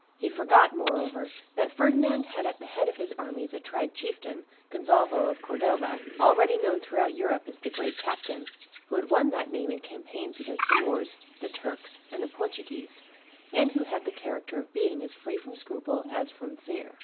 He forgot, moreover, that Ferdinand had at the head of his armies a tried chieftain, Gonzalvo of Cordova, already known throughout Europe as the great captain, who had won that name in campaigns against the Moors, the Turks, and the Portuguese, and who had the character of being as free from scruple as from fear.